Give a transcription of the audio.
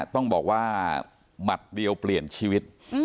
ต้องบอกว่าหมัดเดียวเปลี่ยนชีวิต